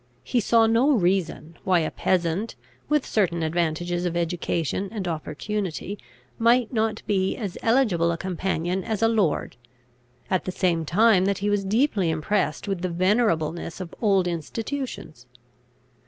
He saw no reason why a peasant, with certain advantages of education and opportunity, might not be as eligible a companion as a lord; at the same time that he was deeply impressed with the venerableness of old institutions.